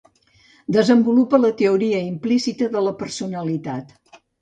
Desenvolupa la Teoria implícita de la personalitat.